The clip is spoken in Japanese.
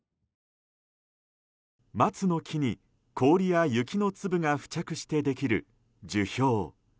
松の木に氷や雪の粒が付着してできる樹氷。